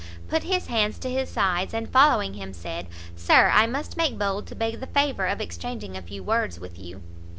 put his hands to his sides, and following him, said "Sir, I must make bold to beg the favour of exchanging a few words with you."